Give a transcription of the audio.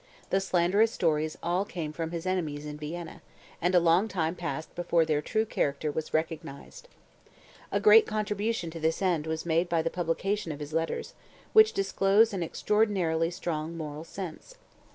The slanderous stories all came from his enemies in Vienna, and a long time passed before their true character was recognized. A great contribution to this end was made by the publication of his letters, which disclose an extraordinarily strong moral sense.